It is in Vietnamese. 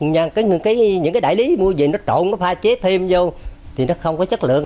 những cái đại lý mua gì nó trộn nó pha chế thêm vô thì nó không có chất lượng